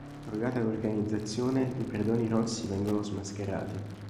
Crollata l'organizzazione, i predoni rossi vengono smascherati.